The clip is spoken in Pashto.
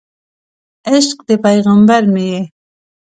عشق د پیغمبر مې یې